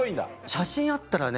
写真あったらね